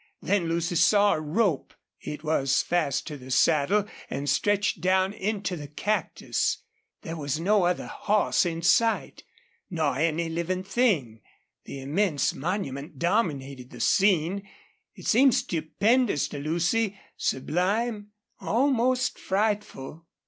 Then Lucy saw a rope. It was fast to the saddle and stretched down into the cactus. There was no other horse in sight, nor any living thing. The immense monument dominated the scene. It seemed stupendous to Lucy, sublime, almost frightful.